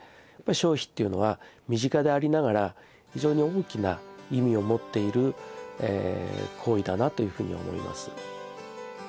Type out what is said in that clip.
消費っていうのは身近でありながら非常に大きな意味を持っている行為だなというふうに思います。